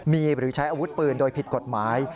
มีหรือใช้อาวุธปืนโดยผิดกฎหมาย